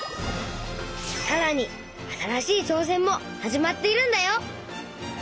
さらに新しい挑戦も始まっているんだよ。